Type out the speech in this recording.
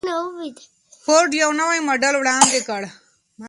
فورډ یو نوی ماډل وړاندې کړ.